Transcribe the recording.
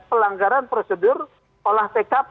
pelanggaran prosedur olah tkp